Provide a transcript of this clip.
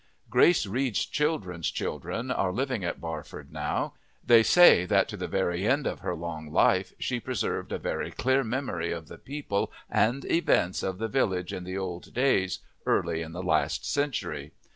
Grace Reed's children's children are living at Barford now; they say that to the very end of her long life she preserved a very clear memory of the people and events of the village in the old days early in the last century.